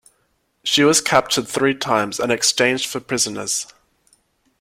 She was captured three times and exchanged for prisoners.